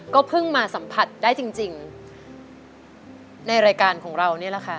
ก็เพิ่งมาสัมผัสได้จริงในรายการของเรานี่แหละค่ะ